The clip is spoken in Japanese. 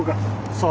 そう。